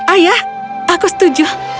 ayah aku setuju